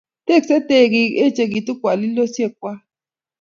Teksei tekik, echikitu kwalilosiek kwai